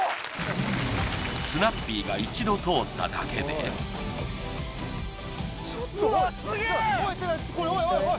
すなっぴーが一度通っただけでちょっとオイ！